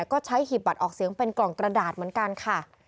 ก็ใช้หีบบัตรออกเสียงเป็นกล่องกระดาษเหมือนกันค่ะ